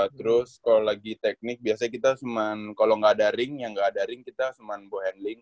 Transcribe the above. terus kalau lagi teknik biasanya kita semen kalau ga ada ring yang ga ada ring kita semen boh handling